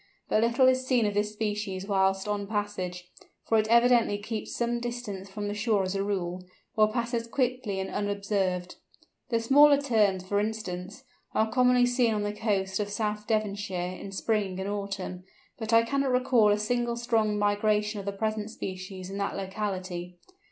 But little is seen of this species whilst on passage, for it evidently keeps some distance from shore as a rule, or passes quickly and unobserved. The smaller Terns, for instance, are commonly seen on the coast of South Devonshire in Spring and Autumn, but I cannot recall a single strong migration of the present species in that locality.